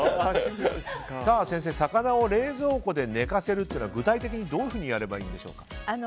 先生魚を冷蔵庫で寝かせるというのは具体的に、どういうふうにやればいいんでしょうか。